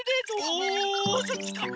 おおそっちか！